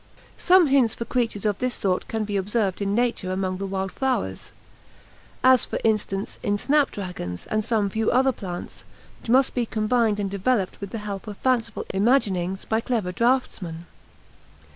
Some hints for creatures of this sort can be observed in nature among the wild flowers, as, for instance, in snap dragons and some few other plants, which must be combined and developed with the help of fanciful imaginings by clever draughtsmen.